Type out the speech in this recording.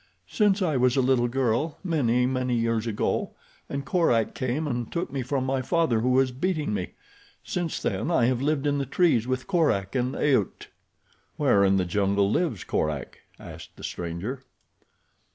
"Since I was a little girl, many, many years ago, and Korak came and took me from my father who was beating me. Since then I have lived in the trees with Korak and A'ht." "Where in the jungle lives Korak?" asked the stranger.